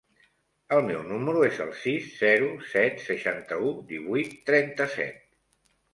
El meu número es el sis, zero, set, seixanta-u, divuit, trenta-set.